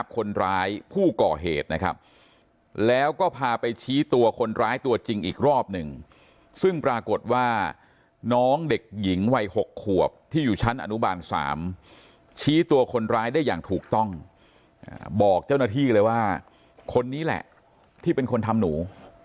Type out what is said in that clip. คนร้ายผู้ก่อเหตุนะครับแล้วก็พาไปชี้ตัวคนร้ายตัวจริงอีกรอบหนึ่งซึ่งปรากฏว่าน้องเด็กหญิงวัย๖ขวบที่อยู่ชั้นอนุบาล๓ชี้ตัวคนร้ายได้อย่างถูกต้องบอกเจ้าหน้าที่เลยว่าคนนี้แหละที่เป็นคนทำหนู